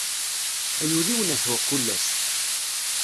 Ay ul-iw nehhuɣ kul ass.